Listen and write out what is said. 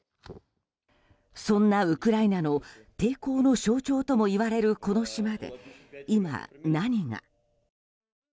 そんなウクライナの抵抗の象徴ともいわれるこの島で今、何が。